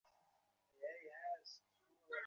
হতাশ হইয়া আদর্শকে নীচে নামাইয়া আনিবেন না।